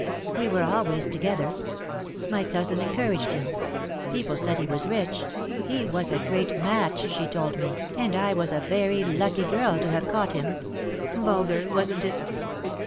We were always together. My cousin encouraged him. People said he was rich. He was a great match, she told me, and I was a very lucky girl to have caught him. Vulgar, wasn't it?"